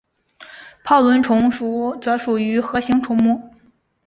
泡轮虫属则属于核形虫目。